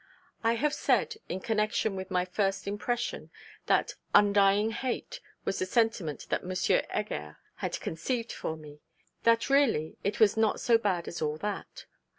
I have said in connection with my first impression, that 'undying hate' was the sentiment that M. Heger had conceived for me that really 'it was not so bad as all that.'